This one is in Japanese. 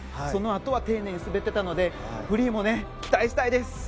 そのあとは丁寧に滑っていたのでフリーも期待したいです。